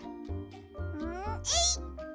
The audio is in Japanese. んえいっ！